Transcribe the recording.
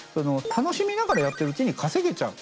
楽しみながらやってるうちに稼げちゃう。